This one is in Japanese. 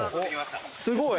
すごい！